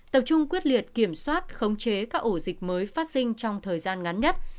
tập trung quyết liệt kiểm soát khống chế các ổ dịch mới phát sinh trong thời gian ngắn nhất